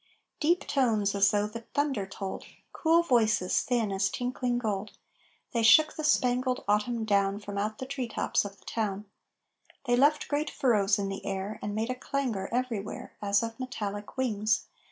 Deep tones as though the thunder tolled, Cool voices thin as tinkling gold, They shook the spangled autumn down From out the tree tops of the town; They left great furrows in the air And made a clangor everywhere As of metallic wings.